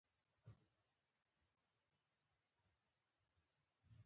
سپوږمۍ ته د تلو لپاره نوې پروژې جوړې شوې